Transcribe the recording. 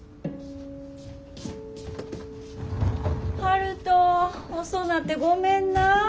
悠人遅なってごめんな。